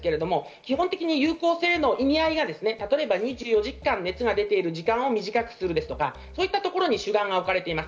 基本的に有効性への意味合いが例えば２４時間熱が出ている時間を短くするとか、そういうところに主眼が置かれています。